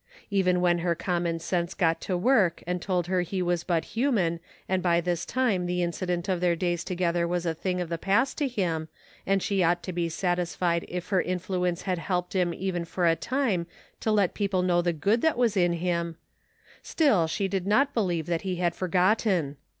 Even when her common sense got to work and told her he was but hirnian and by this time the incident of their days together was a thing of the past to him and she ought to be satisfied if her influence had helped him even for a time to let people know the good that was in him ; still she did not believe that he had forgotten.